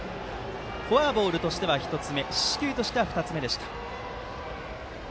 フォアボールとしては１つ目四死球としては２つ目でした。